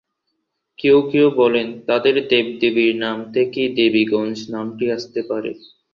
কেউ কেউ বলেন, তাদের দেব-দেবীর নাম থেকেই দেবীগঞ্জ নামটি আসতে পারে।